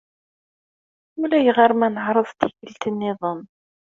Ulayɣer ma neɛreḍ tikkelt niḍen.